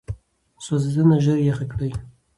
سوځېدنه ژر یخه کړئ.